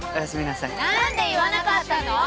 なんで言わなかったの？